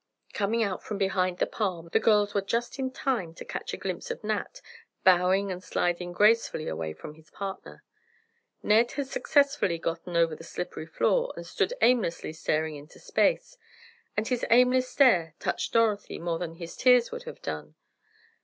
Coming out from behind the palm, the girls were just in time to catch a glimpse of Nat, bowing and sliding gracefully away from his partner. Ned had successfully gotten over the slippery floor and stood aimlessly staring into space; and his aimless stare touched Dorothy more than his tears would have done.